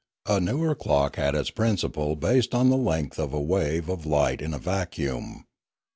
A newer clock had its principle based on the length of a wave of light in a vacuum.